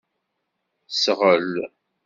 Sɣel.